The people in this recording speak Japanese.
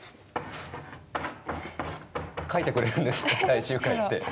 書いてくれるんですね「最終回」って。